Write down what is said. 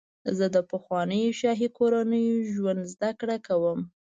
زه د پخوانیو شاهي کورنیو ژوند زدهکړه کوم.